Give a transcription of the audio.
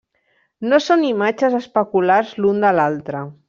No són imatges especulars l'un de l'altre.